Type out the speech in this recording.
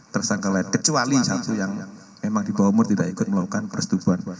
tersangka lain kecuali satu yang memang di bawah umur tidak ikut melakukan persetubuhan